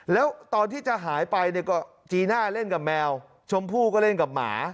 แล้วตอนที่จะหายไปเนี่ยก็จีน่าเล่นกับแมวชมพู่ก็เล่นกับหมา